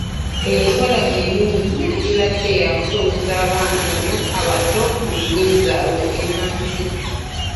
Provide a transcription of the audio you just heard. Enkola ennungi yandibadde ya kusomeseza abaana bano abato mu nnimi zaabwe ennansi.